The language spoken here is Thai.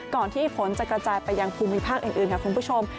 ที่ฝนจะกระจายไปยังภูมิภาคอื่นค่ะคุณผู้ชม